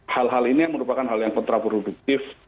hal hal ini yang merupakan hal yang kontraproduktif